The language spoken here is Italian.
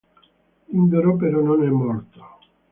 Lindoro però non è morto.